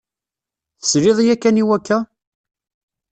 Tesliḍ yakan i wakka?